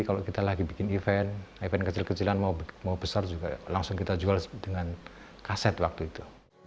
kalau kita lagi bikin event event kecil kecilan mau besar juga langsung kita jual dengan kaset waktu itu